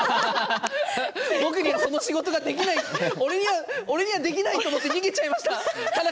僕には、その仕事ができない俺にはできないと思って逃げちゃいました。